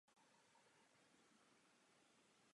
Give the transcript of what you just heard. Jednolodní gotický kostel má obdélný půdorys.